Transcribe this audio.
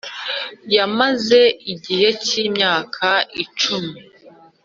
Yamaze igihe cy’imyaka icumi